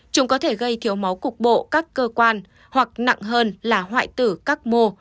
chúng có thể gây thiếu máu cục bộ các cơ quan hoặc nặng hơn là hoại tử các mô